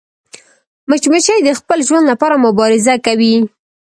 مچمچۍ د خپل ژوند لپاره مبارزه کوي